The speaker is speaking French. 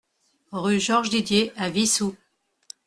Rue Georges Didier à Wissous